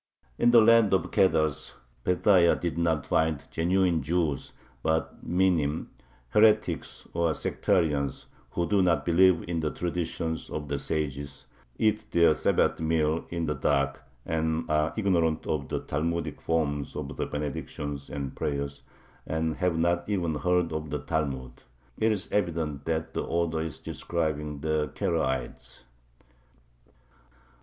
In the land of the Kedars Pethahiah did not find genuine Jews, but minim, heretics or sectarians, who "do not believe in the traditions of the sages, eat their Sabbath meal in the dark, are ignorant of the Talmudic forms of the benedictions and prayers, and have not even heard of the Talmud." It is evident that the author is describing the Karaites.